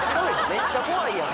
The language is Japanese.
めっちゃ怖いやん。